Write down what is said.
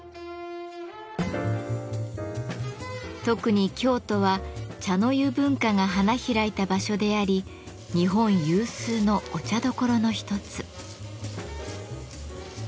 特に京都は茶の湯文化が花開いた場所であり日本有数のお茶どころの一つ。